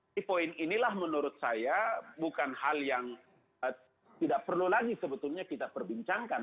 di poin inilah menurut saya bukan hal yang tidak perlu lagi sebetulnya kita perbincangkan